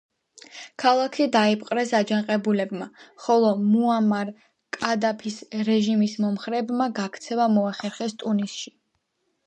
ქალაქი დაიპყრეს აჯანყებულებმა, ხოლო მუამარ კადაფის რეჟიმის მომხრეებმა გაქცევა მოახერხეს ტუნისში.